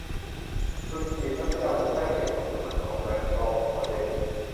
ฝึกจิต และพยายามฝึกให้เหตุผล ฝึกตอบแบบตรงประเด็น